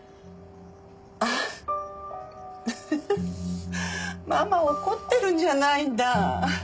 ああウフフママ怒ってるんじゃないんだ。